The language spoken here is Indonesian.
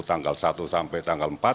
tanggal satu sampai tanggal empat